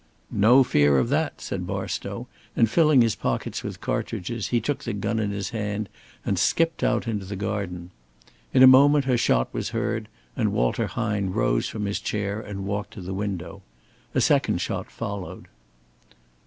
"No fear of that," said Barstow, and filling his pockets with cartridges he took the gun in his hand and skipped out into the garden. In a moment a shot was heard, and Walter Hine rose from his chair and walked to the window. A second shot followed.